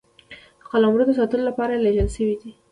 د قلمرو د ساتلو لپاره لېږل سوي وه.